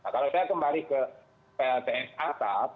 kalau saya kembali ke plts atap